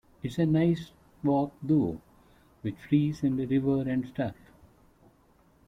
It's a nice walk though, with trees and a river and stuff.